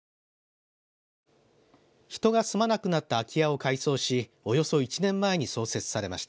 人が住まなくなった空き家を改装しおよそ１年前に創設されました。